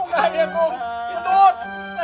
saya jelaskan kum keterlap